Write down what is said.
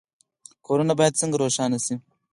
کورونه باید څنګه روښانه شي؟